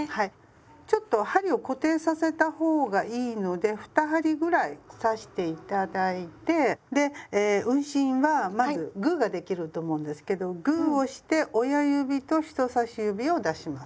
ちょっと針を固定させた方がいいので２針ぐらい刺して頂いてで運針はまずグーができると思うんですけどグーをして親指と人さし指を出します。